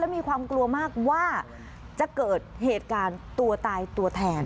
มีความกลัวมากว่าจะเกิดเหตุการณ์ตัวตายตัวแทน